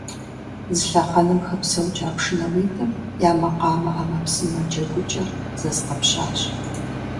Зы лъэхъэнэм хэпсэукӀа пшынауитӀым я макъамэ Ӏэмэпсымэ джэгукӀэр зэзгъэпщащ.